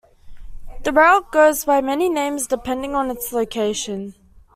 The route goes by many names depending on its location.